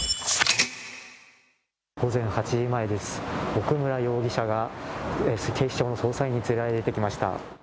午前８時前です、奥村容疑者が警視庁の捜査員に連れられて出てきました。